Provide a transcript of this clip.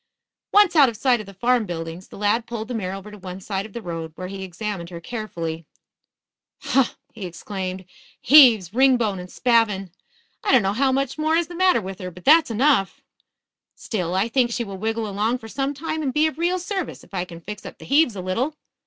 Once out of sight of the farm buildings, the lad pulled the mare to one side of the road, where he examined her carefully. "Huh!" he exclaimed. "Heaves, ringbone and spavin. I don't know how much more is the matter with her, but that's enough. Still, I think she will wiggle along for some time and be of real service if I can fix up the heaves a little.